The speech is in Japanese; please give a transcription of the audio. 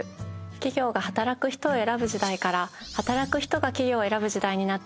企業が働く人を選ぶ時代から働く人が企業を選ぶ時代になってきています。